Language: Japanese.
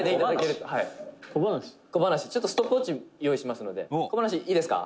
ちょっとストップウォッチ用意しますので小話、いいですか？」